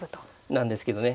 なんですけどね。